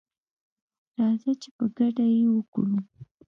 راځه چي په ګډه یې وکړو